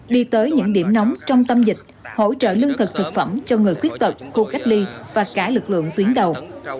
đi tới những điểm nóng trong tâm dịch hỗ trợ lương thực thực phẩm cho người khuyết tật khu cách ly và cả lực lượng tuyến đầu